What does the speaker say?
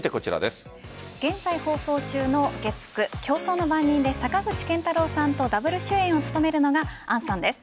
現在放送中の月９「競争の番人」で坂口健太郎さんとダブル主演を務めるのが杏さんです。